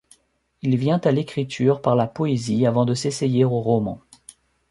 Il vient à l'écriture par la poésie avant de s’essayer au roman.